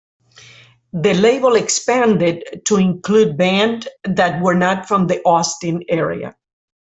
The label expanded to include band that were not from the Austin area.